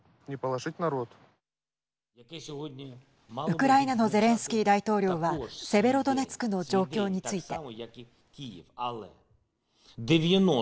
ウクライナのゼレンスキー大統領はセベロドネツクの状況について。